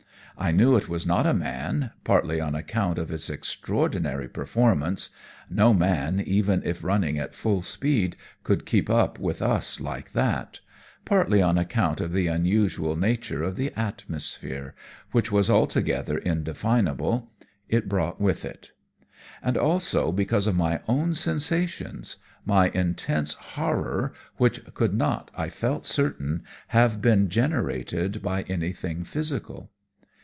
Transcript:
I knew it was not a man, partly on account of its extraordinary performance no man, even if running at full speed, could keep up with us like that; partly on account of the unusual nature of the atmosphere which was altogether indefinable it brought with it; and also because of my own sensations my intense horror which could not, I felt certain, have been generated by anything physical.